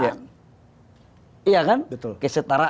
tujuan kita dalam berbangsa dan bernegara ini kan kesejahteraan